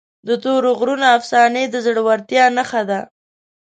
د تورې غرونو افسانې د زړورتیا نښه ده.